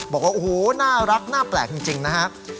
บอกว่าอู๋น่ารักน่าแปลกจริงนะครับ